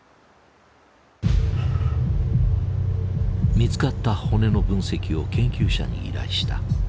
見つかった骨の分析を研究者に依頼した。